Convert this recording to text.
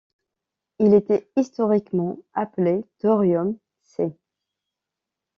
Il était historiquement appelé thorium C'.